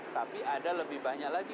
tapi ada lebih banyak lagi